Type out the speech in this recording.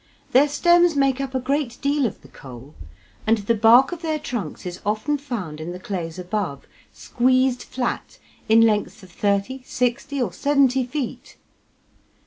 Their stems make up a great deal of the coal, and the bark of their trunks is often found in the clays above, squeezed flat in lengths of 30, 60, or 70 feet.